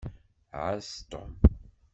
Ɛass Tom.